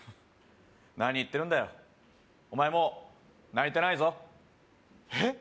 何言ってるんだよお前もう泣いてないぞえっ？